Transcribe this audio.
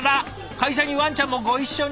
会社にワンちゃんもご一緒に？